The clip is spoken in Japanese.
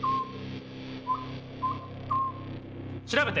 調べて！